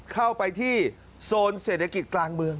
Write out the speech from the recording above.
เข้าไปที่โซนเศรษฐกิจกลางเมือง